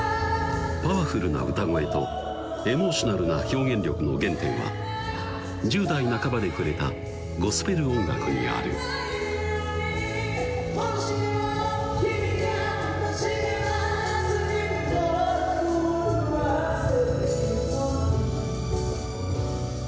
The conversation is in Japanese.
パワフルな歌声とエモーショナルな表現力の原点は１０代半ばで触れたゴスペル音楽にある「もしも君が不確かな明日に心震わせているのなら」